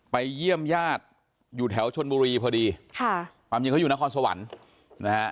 เยี่ยมญาติอยู่แถวชนบุรีพอดีค่ะความจริงเขาอยู่นครสวรรค์นะฮะ